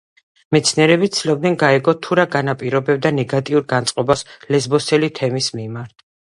მეცნიერები ცდილობდნენ გაეგოთ თუ რა განაპირობებდა ნეგატიურ განწყობას ლესბოსელი თემის მიმართ.